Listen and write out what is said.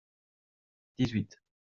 dix-huit.